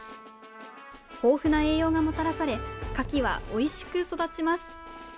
豊富な栄養がもたらされカキはおいしく育ちます。